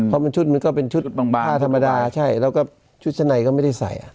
เพราะมันชุดมันก็เป็นชุดบางผ้าธรรมดาใช่แล้วก็ชุดชั้นในก็ไม่ได้ใส่